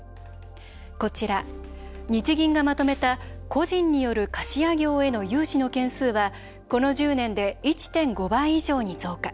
こちら、日銀がまとめた個人による貸家業への融資の件数は、この１０年で１．５倍以上に増加。